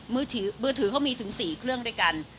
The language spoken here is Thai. มือถือเขามีถึง๔เครื่องด้วยกัน